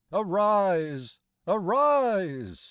Arise ! Arise !